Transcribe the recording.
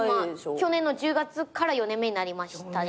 去年の１０月から４年目になりましたね。